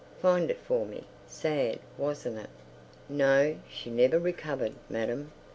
Find it for me." Sad, wasn't it? ... No, she never recovered, madam.